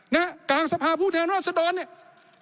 เงี้ยกลางสภาพผู้แทนโรสดรเนี่ย